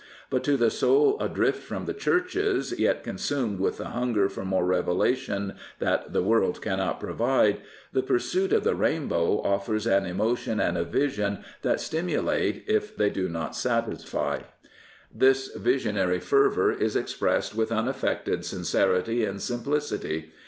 But to the soul adrift from the churches, yet consumed with the hunger for some revelation that the world cannot provide, the pursuit of the rainbow offers an emotion and a vision that stimulate if they do not satisfy. 240 The Rev. R. J. Campbell This visionary fervour is expressed with unaffected sincerity and simplicity.